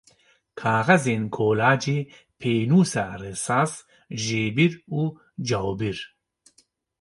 Kaxezên kolacê, pênûsa risas, jêbir û cawbir.